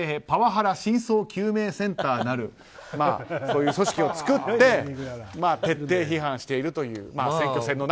パワハラ真相究明センターなるそういう組織を作って徹底批判しているという。